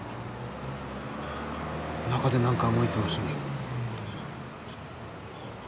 中で何か動いてますね。